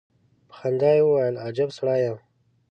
په خندا يې وويل: اجب سړی يم.